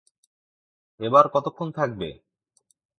এবার কতক্ষণ থাকবে?